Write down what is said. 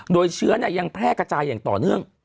โดยเชื้อยังแพร่กระจายอย่างต่อเนื่อง